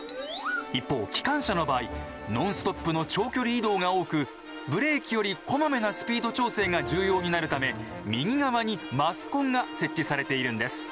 一方機関車の場合ノンストップの長距離移動が多くブレーキよりこまめなスピード調整が重要になるため右側にマスコンが設置されているんです。